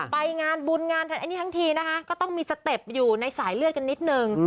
ไปบุญงานทั้งทีก็ต้องมีสเต็บอยู่ในสายเลือดกันนิดนึง